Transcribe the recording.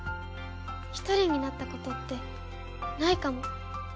ひとりになったことってないかも。